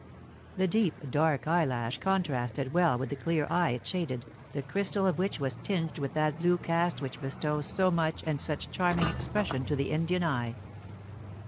The deep, dark eyelash contrasted well with the clear eye it shaded, the crystal of which was tinged with that blue cast which bestows so much and such charming expression to the Indian eye.